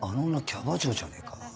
キャバ嬢じゃねえか？